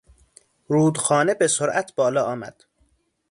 رودخانه به سرعت بالا آمد.